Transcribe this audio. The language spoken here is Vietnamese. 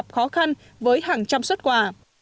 khó khăn với hàng trăm xuất quà